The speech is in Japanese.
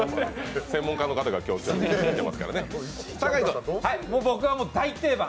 専門家の方が今日来ていますからね。